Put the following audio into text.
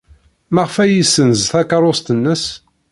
Maɣef ay yessenz takeṛṛust-nnes?